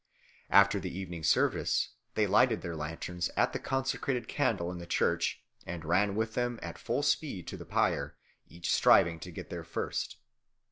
After the evening service they lighted their lanterns at the consecrated candle in the church, and ran with them at full speed to the pyre, each striving to get there first.